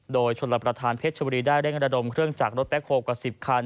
โดยชนรับประทานเพชรชบุรีได้เร่งระดมเครื่องจากรถแคคโฮลกว่า๑๐คัน